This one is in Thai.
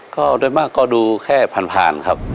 ก็โดยมากก็ดูแค่ผ่านครับ